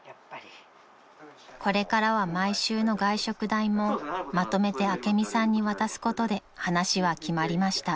［これからは毎週の外食代もまとめて朱美さんに渡すことで話は決まりました］